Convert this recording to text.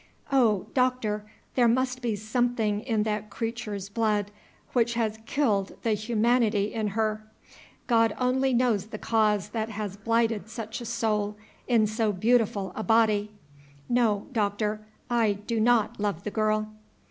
Oh, Doctor! there must be something in that creature's blood which has killed the humanity in her. God only knows the cause that has blighted such a soul in so beautiful a body! No, Doctor, I do not love the girl."